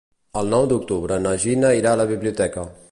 El nou d'octubre na Gina irà a la biblioteca.